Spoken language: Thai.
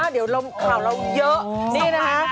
เดี๋ยวข่าวเราเยอะ